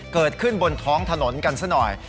เกิดขึ้นบนท้องถนนกันซะหน่อย